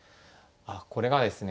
これがですね